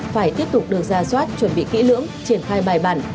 phải tiếp tục được ra soát chuẩn bị kỹ lưỡng triển khai bài bản